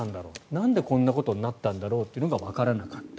なんでこんなことになったんだろうというのがわからなかった。